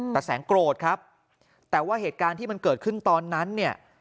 แต่แสงโกรธครับแต่ว่าเหตุการณ์ที่มันเกิดขึ้นตอนนั้นเนี่ย